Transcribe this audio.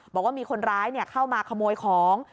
บอกว่ามีคนร้ายเข้ามาขโมยของ